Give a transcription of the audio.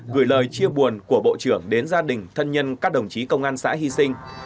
gửi lời chia buồn của bộ trưởng đến gia đình thân nhân các đồng chí công an xã hy sinh